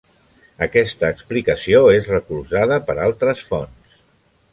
Aquesta explicació és recolzada per altres fonts.